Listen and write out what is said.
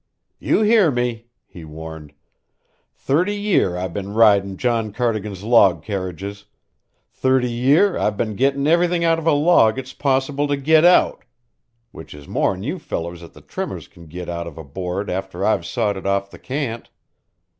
"You hear me," he warned. "Thirty year I've been ridin' John Cardigan's log carriages; thirty year I've been gettin' everythin' out of a log it's possible to git out, which is more'n you fellers at the trimmers can git out of a board after I've sawed it off the cant.